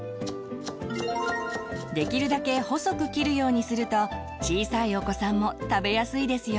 できるだけ細く切るようにすると小さいお子さんも食べやすいですよ。